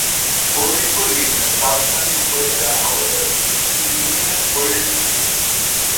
Gauripur union Daudkandi উপজেলার আওতাধীন একটি ইউনিয়ন পরিষদ।